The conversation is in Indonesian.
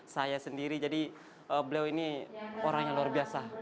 saya sendiri jadi beliau ini orang yang luar biasa